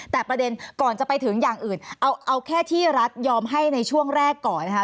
แต่ประเด็นก่อนจะไปถึงอย่างอื่นเอาแค่ที่รัฐยอมให้ในช่วงแรกก่อนนะคะ